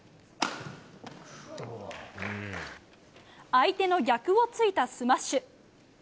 相手の逆を突いたスマッシュ。